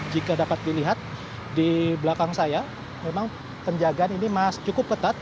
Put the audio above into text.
jika dapat dilihat di belakang saya memang penjagaan ini masih cukup ketat